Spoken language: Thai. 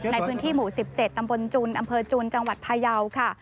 ในพื้นที่หมู่๑๗ตำบลจุนอำเภอจุนจังหวัดพยาวค่ะ